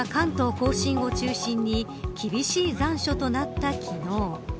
甲信を中心に厳しい残暑となった昨日。